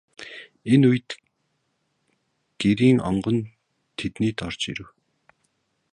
Энэ үед Гэрийн онгон тэднийд орж ирэв.